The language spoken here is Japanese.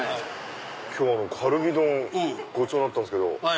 今日はカルビごちそうになったんですけど。